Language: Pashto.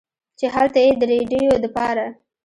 چې هلته ئې د رېډيو دپاره